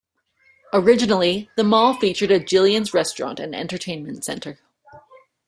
Originally, the mall featured a Jillian's restaurant and entertainment center.